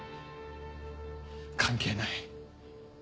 関係ない。